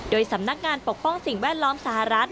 โดยสำนักงานปกป้องสิ่งแวดล้อมสหรัฐ